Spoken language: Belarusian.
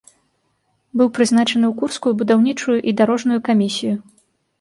Быў прызначаны ў курскую будаўнічую і дарожную камісію.